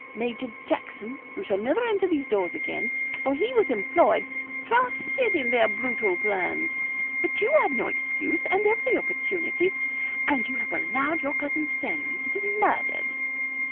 Major Jackson who shall never enter these doors again for he was employed trusted in their brutal plans; but you had no excuse and every opportunity and you have allowed your Cousin Stanley to be murdered.'